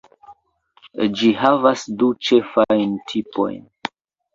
Ĝi havas du ĉefajn tipojn.